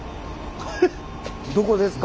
どこですか？